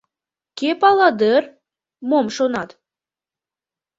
Кӧ пала дыр: мом шонат?